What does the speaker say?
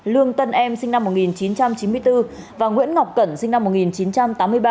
lương tân em sinh năm một nghìn chín trăm chín mươi bốn và nguyễn ngọc cẩn sinh năm một nghìn chín trăm tám mươi bảy